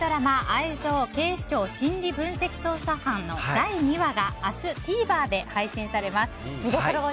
「アイゾウ警視庁・心理分析捜査班」の第２話が明日、ＴＶｅｒで配信されます。